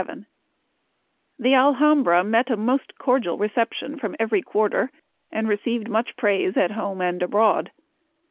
r I ^HE "Alhambra" met a most cordial re * ception from every quarter, and received much praise at home and abroad.